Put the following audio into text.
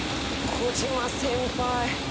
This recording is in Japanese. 小島先輩！